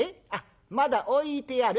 まだ置いてある？